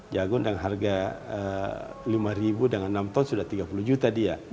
jagung dengan harga lima dengan enam ton sudah tiga puluh juta dia